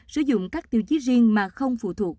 sử dụng các tiêu chí riêng mà không phụ thuộc